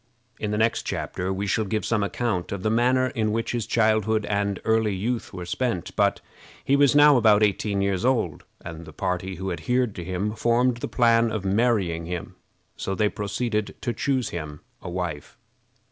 In the next chapter we shall give some account of the manner in which his childhood and early youth were spent; but he was now about eighteen years old, and the party who adhered to him formed the plan of marrying him. So they proceeded to choose him a wife.